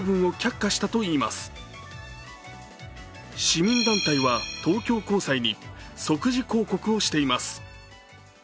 市民団体は東京高裁に即時抗告をしています。